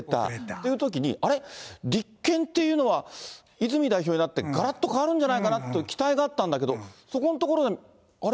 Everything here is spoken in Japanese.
というときに、あれ、立憲っていうのは、泉代表になって、がらっと変わるんじゃないかなと期待があったんだけど、そこのところで、あれ？